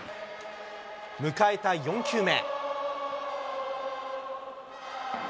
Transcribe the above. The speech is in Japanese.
迎えた４球目。